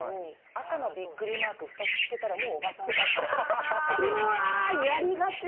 赤のびっくりマークを２つ付けたらもう、おばさんだって。